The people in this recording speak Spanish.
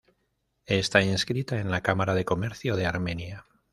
Está inscrita en la Cámara de Comercio de Armenia.